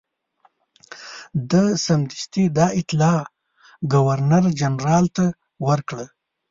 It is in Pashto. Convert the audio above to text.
ده سمدستي دا اطلاع ګورنرجنرال ته ورکړه.